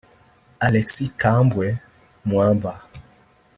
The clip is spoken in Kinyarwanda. Alexis Thambwe Mwamba